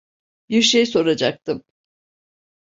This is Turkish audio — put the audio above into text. Bir şey soracaktım.